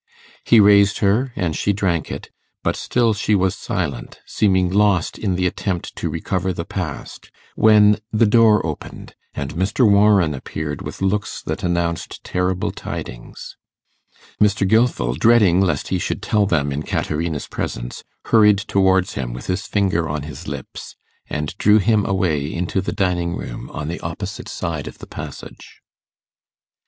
He raised her, and she drank it; but still she was silent, seeming lost in the attempt to recover the past, when the door opened, and Mr. Warren appeared with looks that announced terrible tidings. Mr. Gilfil, dreading lest he should tell them in Caterina's presence, hurried towards him with his finger on his lips, and drew him away into the dining room on the opposite side of the passage.